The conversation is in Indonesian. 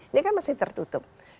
ini kan masih tertutup